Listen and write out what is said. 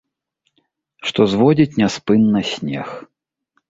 Што зводзіць няспынна снег.